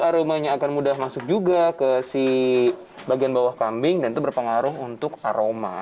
aromanya akan mudah masuk juga ke si bagian bawah kambing dan itu berpengaruh untuk aroma